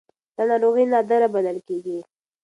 دا ناروغي نادره بلل کېږي.